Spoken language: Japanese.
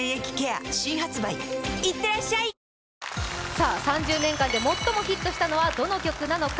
さあ３０年間で最もヒットしたのはどの曲なのか。